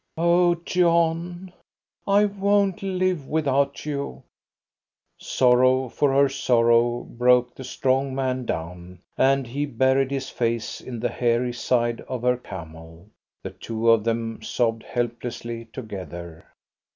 "O John, I won't live without you!" Sorrow for her sorrow broke the strong man down, and he buried his face in the hairy side of her camel. The two of them sobbed helplessly together.